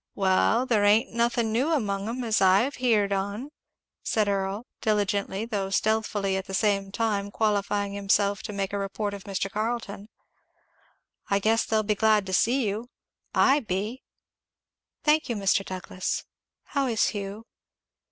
"Well, there ain't nothin' new among 'em, as I've heerd on," said Earl, diligently though stealthily at the same time qualifying himself to make a report of Mr. Carleton, "I guess they'll be glad to see you. I be." "Thank you, Mr. Douglass. How is Hugh?"